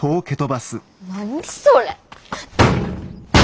何それ。